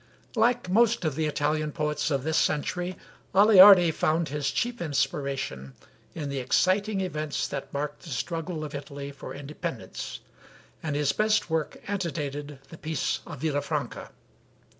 Like most of the Italian poets of this century, Aleardi found his chief inspiration in the exciting events that marked the struggle of Italy for independence, and his best work antedated the peace of Villafranca.